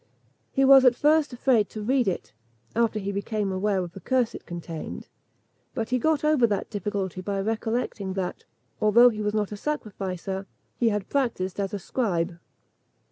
He was at first afraid to read it, after he became aware of the curse it contained; but he got over that difficulty by recollecting that, although he was not a sacrificer, he had practised as a scribe.